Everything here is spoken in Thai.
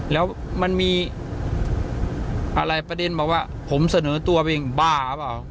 แล้วมันมีอะไรประเด็นบอกว่าผมเสนอตัวเป็นบ้าป่าว